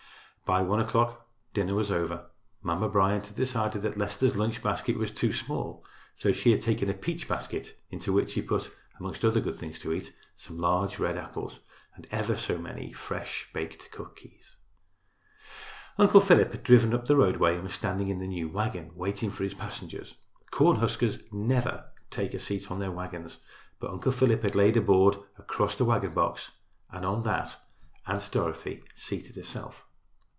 By one o'clock dinner was over. Mamma Bryant had decided that Leicester's lunch basket was too small, so she had taken a peach basket, into which she put, among other good things to eat, some large red apples and ever so many fresh baked cookies. Uncle Philip had driven up the roadway and was standing in the new wagon waiting for his passengers. Corn huskers never take a seat on their wagons, but Uncle Philip had laid a board across the wagon box and on that Aunt Dorothy seated herself.